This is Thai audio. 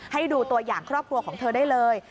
ให้ดูตัวอย่างครอบครัวของเธอได้เลย